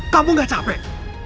kamu gak capek